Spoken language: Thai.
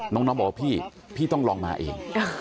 น้องบอกว่าพี่พี่ต้องลองมาเอง